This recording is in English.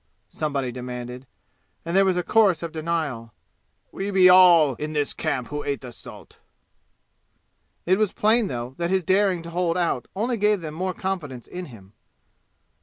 somebody demanded, and there was a chorus of denial. "We be all in this camp who ate the salt." It was plain, though, that his daring to hold out only gave them the more confidence in him.